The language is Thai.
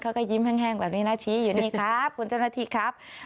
เขาก็ยิ้มแห้งแบบนี้นะชี้อยู่นี่ครับคุณเจ้าหน้าที่ครับ